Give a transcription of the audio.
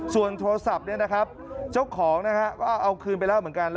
ส่วนโทรศัพท์เนี่ยนะครับเจ้าของนะฮะก็เอาคืนไปแล้วเหมือนกัน